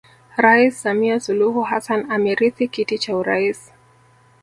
Rais Samia Suluhu Hassan amerithi kiti cha urais